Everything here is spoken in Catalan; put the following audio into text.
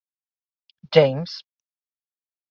James